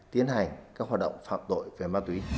tiến hành các hoạt động phạm tội về ma túy